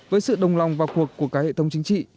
với sự đồng lòng và cuộc của các hệ thống chính trị